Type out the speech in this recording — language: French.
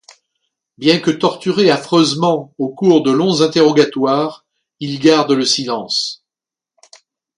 Bien que torturé affreusement au cours de longs interrogatoires, il garde le silence.